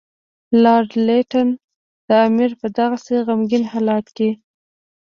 لارډ لیټن د امیر په دغسې غمګین حالت کې.